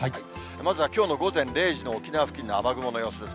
まずはきょうの午前０時の沖縄付近の雨雲の様子です。